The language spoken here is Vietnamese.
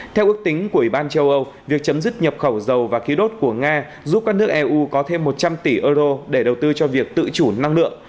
theo ước tính của ủy ban châu âu việc chấm dứt nhập khẩu dầu và khí đốt của nga giúp các nước eu có thêm một trăm linh tỷ euro để đầu tư cho việc tự chủ năng lượng